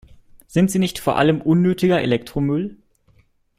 Sind sie nicht vor allem unnötiger Elektromüll?